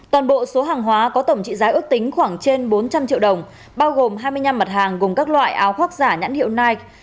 toàn bộ số hàng hóa có tổng trị giá ước tính khoảng trên bốn trăm linh triệu đồng bao gồm hai mươi năm mặt hàng gồm các loại áo khoác giả nhãn hiệu nige